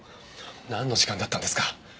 なんの時間だったんですか？